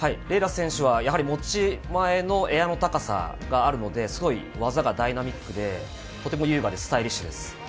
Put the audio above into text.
麗楽選手は持ち前のエアの高さがあるのですごい技がダイナミックでとても優雅でスタイリッシュです